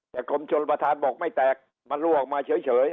แต่กรมชนประธานบอกไม่แตกมันรั่วออกมาเฉย